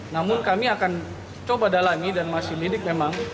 namun kami akan coba dalami dan masih lidik memang